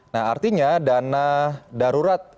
nah artinya dana darurat